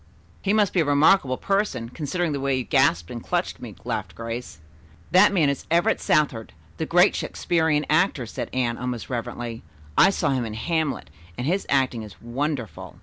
"He must be a remarkable person, considering the way you gasped and clutched me," laughed Grace. "That man is Everett Southard, the great Shakespearian actor," said Anne almost reverently. "I saw him in 'Hamlet' and his acting is wonderful."